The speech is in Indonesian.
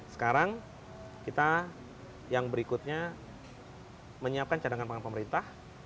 sekarang kita yang berikutnya menyiapkan cadangan pangan pemerintah